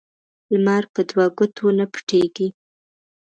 لمر په دوه ګوتو نه پټیږي